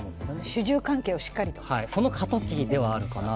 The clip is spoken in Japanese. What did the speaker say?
主従関係をしっかりと。